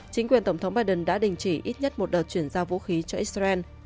chính quyền tổng thống biden đã đình chỉ ít nhất một đợt chuyển giao vũ khí cho israel